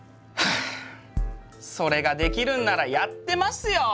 あそれができるんならやってますよ！